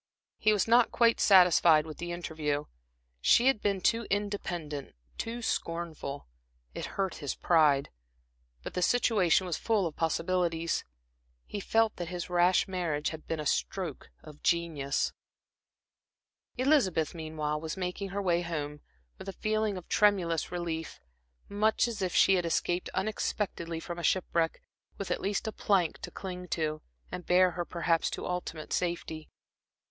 He was not quite satisfied with the interview; she had been too independent, too scornful. It hurt his pride. But the situation was full of possibilities. He felt that his rash marriage had been a stroke of genius. Elizabeth, meanwhile, was making her way home, with a feeling of tremulous relief, much as if she had escaped unexpectedly from shipwreck, with at least a plank to cling to, and bear her perhaps to ultimate safety.